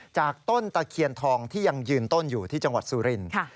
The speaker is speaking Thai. จากต้นตะเคียนทองที่ยังยืนต้นอยู่ที่จังหวัดสุรินทร์